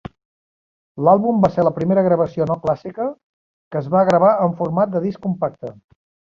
L'àlbum va ser la primera gravació no clàssica que es va gravar en format de disc compacte.